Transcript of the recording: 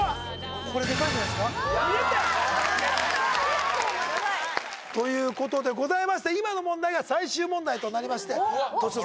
これでかいんじゃないですか２０点わあやった！ということでございまして今の問題が最終問題となりまして年の差！